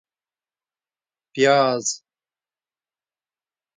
🧅 پیاز